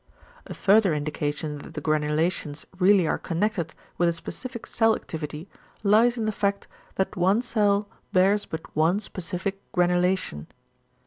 A further indication that =the granulations really are connected with a specific cell activity lies in the fact, that one cell bears but one specific granulation=.